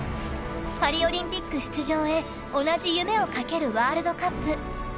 パリオリンピック出場へ同じ夢をかけるワールドカップ。